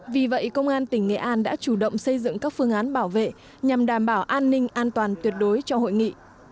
vì vậy công an tỉnh nghệ an đã chủ động xây dựng các phương án bảo vệ nhằm đảm bảo an ninh an toàn tuyệt đối cho hội nghị